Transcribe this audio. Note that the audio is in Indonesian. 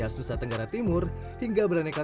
khas nusa tenggara timur hingga beraneka